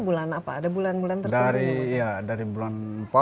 bulan apa ada bulan bulan terjadi dari ya dari bulan empat